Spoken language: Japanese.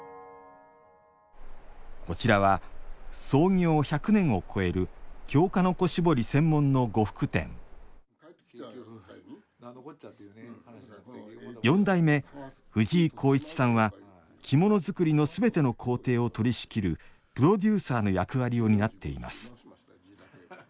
こちらは創業１００年を超える京鹿の子絞り専門の呉服店四代目藤井浩一さんは着物作りのすべての工程を取りしきるプロデューサーの役割を担っています